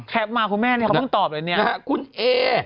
แข็บมาคุณแม่อะไรก็ตกเป็นคุณเอ๊